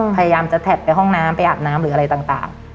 พยายามจะแท็กไปห้องน้ำไปอาบน้ำหรืออะไรต่าง